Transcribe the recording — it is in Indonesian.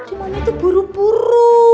di mana itu buru buru